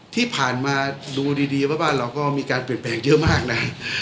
ที่ผ่านมาดูดีว่าบ้านเราก็มีการเปลี่ยนแปลงเยอะมากนะ